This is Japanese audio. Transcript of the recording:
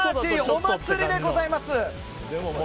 お祭りでございます！